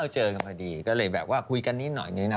เจอกันพอดีก็เลยแบบว่าคุยกันนิดหน่อยเนี่ยนะ